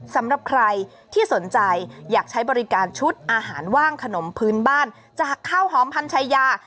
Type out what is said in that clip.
สำหรับใครที่สนใจอยากใช้บริการชุดอาหารว่างขนมพื้นบ้านจากข้าวหอมพันชายา